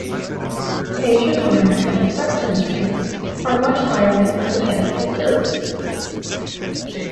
Asian American acceptance rates are much higher than other ethnic groups.